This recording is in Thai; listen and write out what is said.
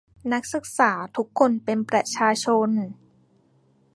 นักศึกษาทุกคนเป็นประชาชน